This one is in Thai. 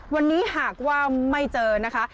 วันนี้หากว่าไม่เจอนะคะ